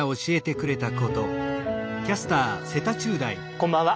こんばんは。